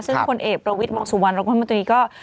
ซึ่งพนเอกประวิทย์บอกสู่วันรับความรู้ตัวนี้ก็